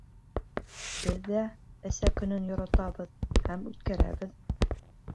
Беҙ ҙә Әсә көнөн яратабыҙ һәм үткәрәбеҙ